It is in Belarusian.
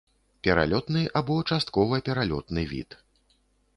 Пералётны або часткова пералётны від.